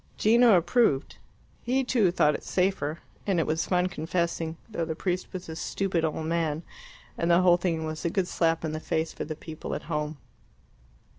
Gino approved; he, too, thought it safer, and it was fun confessing, though the priest was a stupid old man, and the whole thing was a good slap in the face for the people at home.